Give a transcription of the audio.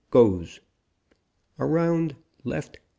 GOES. AROUND.LEFT.